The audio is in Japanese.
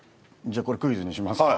じゃこれクイズにしますか？